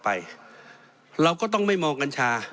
เพราะฉะนั้นโทษเหล่านี้มีทั้งสิ่งที่ผิดกฎหมายใหญ่นะครับ